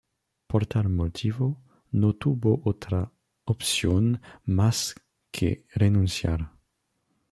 Por tal motivo, no tuvo otra opción más que renunciar.